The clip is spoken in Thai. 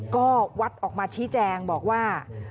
ก็วัดออกมาชี้แจงบอกว่า